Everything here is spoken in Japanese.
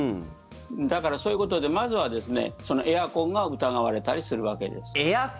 だから、そういうことでまずは、エアコンが疑われたりするわけです。